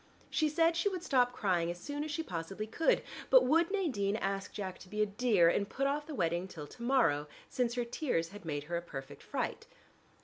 She said she would stop crying as soon as she possibly could, but would Nadine ask Jack to be a dear and put off the wedding till to morrow, since her tears had made her a perfect fright.